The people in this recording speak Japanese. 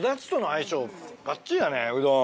うどん。